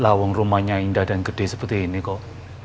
lawang rumahnya indah dan gede seperti ini kok